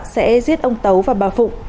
ông dõng đã giết ông tấu và bà phụ